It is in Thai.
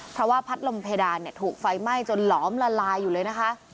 เพราะว่าพัดลมเพดานถูกไฟไหม้จนหลอมละลายอยู่เลยนะคะ